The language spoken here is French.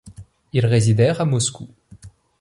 Ils résidèrent à Moscou.